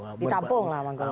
ya ditampung lah sama golkar